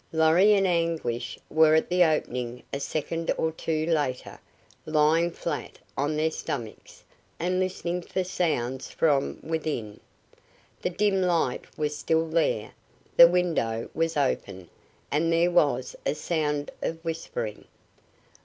Lorry and Anguish were at the opening a second or two later, lying flat on their stomachs and listening for sounds from within. The dim light was still there, the window was open, and there was a sound of whispering.